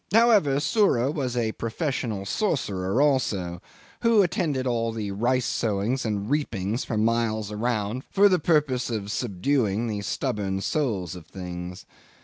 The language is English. However, Sura was a professional sorcerer also, who attended all the rice sowings and reapings for miles around for the purpose of subduing the stubborn souls of things.